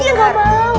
iya enggak mau